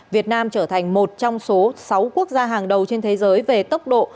việt nam trở thành một trong số sáu quốc gia hàng đầu trên thế giới về tốc độ